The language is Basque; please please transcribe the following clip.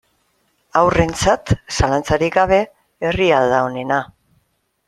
Haurrentzat, zalantzarik gabe, herria da onena.